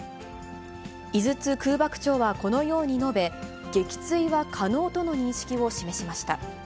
井筒空幕長はこのように述べ、撃墜は可能との認識を示しました。